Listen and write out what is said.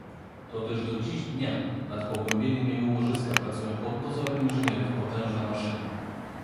Toteż do dziś dnia nad pogłębieniem jego łożyska pracują pod dozorem inżynierów potężne maszyny.